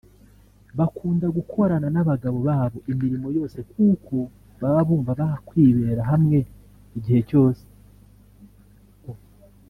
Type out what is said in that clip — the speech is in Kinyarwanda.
Bakunda gukorana n’abagabo babo imirimo yose kuko baba bumva bakwibera hamwe igihe cyose